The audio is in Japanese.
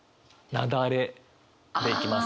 「雪崩」でいきます。